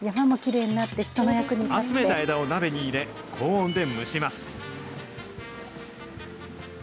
集めた枝を鍋に入れ、高温で蒸します。